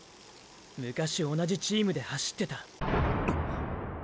昔同じチームで走ってた。